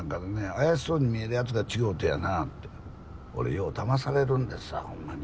怪しそうに見えるヤツが違うてやなって俺ようだまされるんですわホンマに。